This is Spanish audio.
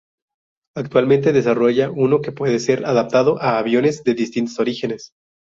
Actualmente desarrolla uno que puede ser adaptado a aviones de distintos orígenes.